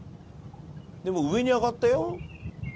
でも上に上がったよ。